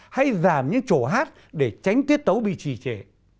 hay giảm những chỗ hát để tránh tiết tấu bị trì trễ